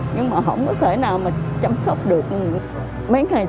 nhưng mà không có thể nào mà chăm sóc được mấy ngày sau mấy ngày sau mấy ngày sau